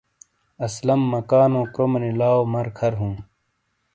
سلم مکانو کرومے نی لاؤ مر کھر ہوں